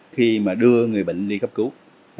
khi mà đưa người bệnh đi cấp cứu